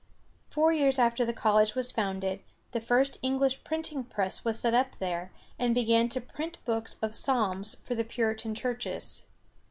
Four years after the college was founded, the first English printing press was set up there, and began to print books of psalms for the Puritan churches.